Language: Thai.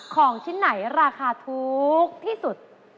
ของชิ้นไหนราคาถูกที่สุด